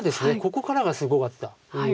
ここからがすごかった。